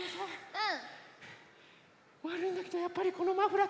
うん？